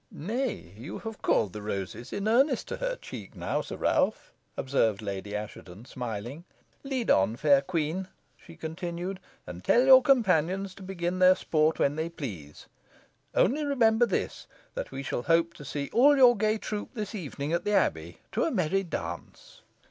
"Nay, you have called the roses in earnest to her cheek, now, Sir Ralph," observed Lady Assheton, smiling. "Lead on, fair queen," she continued, "and tell your companions to begin their sports when they please. Only remember this, that we shall hope to see all your gay troop this evening at the Abbey, to a merry dance."